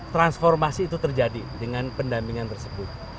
transformasi itu terjadi dengan pendampingan tersebut